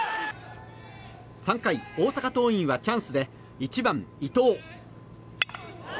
３回、大阪桐蔭はチャンスで１番、伊藤。